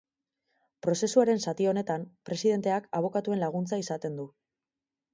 Prozesuaren zati honetan presidenteak abokatuen laguntza izanten du.